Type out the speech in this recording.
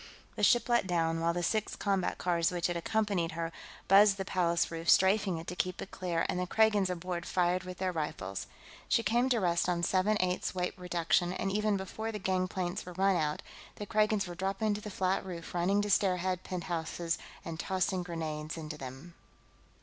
The ship let down, while the six combat cars which had accompanied her buzzed the Palace roof, strafing it to keep it clear, and the Kragans aboard fired with their rifles. She came to rest on seven eighths weight reduction, and even before the gangplanks were run out, the Kragans were dropping to the flat roof, running to stairhead penthouses and tossing grenades into them.